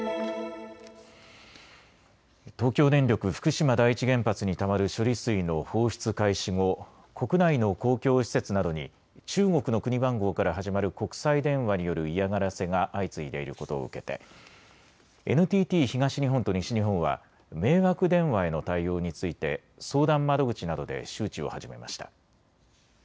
東京電力福島第一原発にたまる処理水の放出開始後、国内の公共施設などに中国の国番号から始まる国際電話による嫌がらせが相次いでいることを受けてＮＴＴ東日本と西日本は迷惑電話への対応について相談窓口などで周知を始めました。